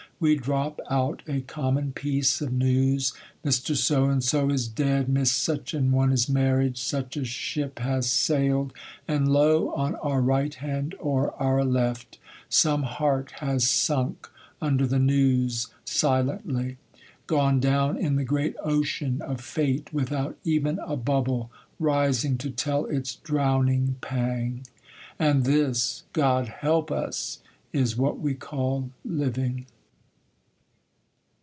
We drop out a common piece of news,—'Mr. So and so is dead,—Miss Such a one is married,—such a ship has sailed,'—and lo, on our right hand or our left, some heart has sunk under the news silently,—gone down in the great ocean of Fate, without even a bubble rising to tell its drowning pang. And this—God help us!—is what we call living!